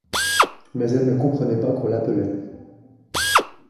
Mais elle ne comprenait pas qu’on l’appelait.